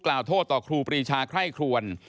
กล่าวโทษต่อครูปรีชาไข้ควร